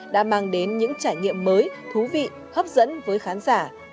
đã mang đến những trải nghiệm mới thú vị hấp dẫn với khán giả